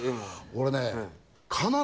俺ね。